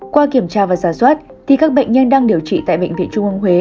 qua kiểm tra và giả soát thì các bệnh nhân đang điều trị tại bệnh viện trung ân huế